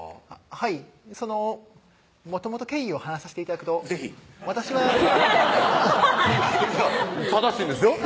はいそのもともと経緯を話させて頂くと是非正しいんですよ